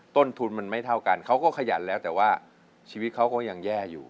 ต้นทุนมันไม่เท่ากันเขาก็ขยันแล้วแต่ว่าชีวิตเขาก็ยังแย่อยู่